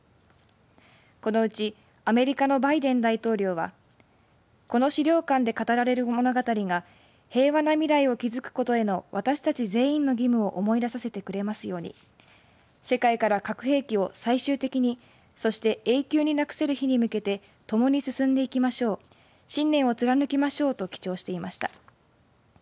このうちアメリカのバイデン大統領はこの資料館で語られる物語が平和な未来を築くことへの私たち全員の義務を思い出させてくれますように世界から核兵器を最終的にそして永久になくせる日に向けてともに進んでいきましょう信念を貫きましょうと記帳していました。